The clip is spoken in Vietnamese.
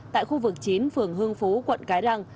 tại khu vực chín phường hưng phú quận cái răng